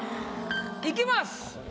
いきます。